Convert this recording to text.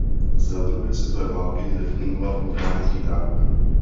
Za druhé světové války zde fungoval zajatecký tábor.